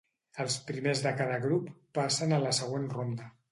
Els primers de cada grup passen a la següent ronda.